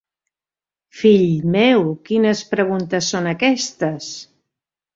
Fill meu, quines preguntes són aquestes!